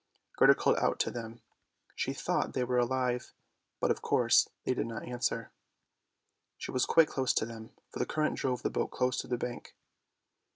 Gerda called out to them; she thought they were alive, but of course they did not answer; she was quite close to them, for the current drove the boat close to the bank.